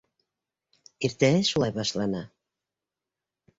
Иртәһе шулай башлана.